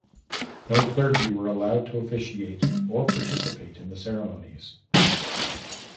No clergy were allowed to officiate or participate in the ceremonies.